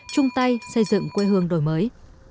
chung tay xây dựng quê hương đổi mới